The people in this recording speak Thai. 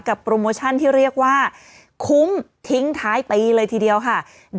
โปรโมชั่นที่เรียกว่าคุ้มทิ้งท้ายปีเลยทีเดียวค่ะ